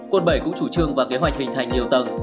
quận bảy cũng chủ trương và kế hoạch hình thành nhiều tầng